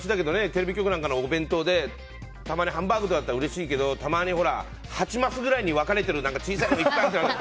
テレビ局なんかのお弁当でたまにハンバーグだとうれしいけどたまに８マスくらいに分かれてる小さいのいっぱいあるじゃない。